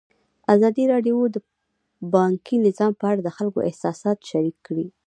ازادي راډیو د بانکي نظام په اړه د خلکو احساسات شریک کړي.